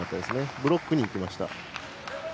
ブロックにいきました。